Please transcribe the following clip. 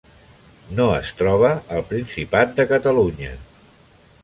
No es troba al Principat de Catalunya.